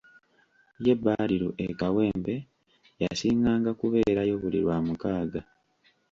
Ye Badru e Kawempe yasinganga kubeerayo buli lwamukaaga.